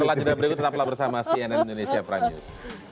selanjutnya berikutnya telah bersama cnn indonesia prime news